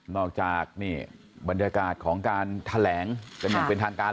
นอกจากบรรยากาศของการแถลงกันอย่างเป็นทางการ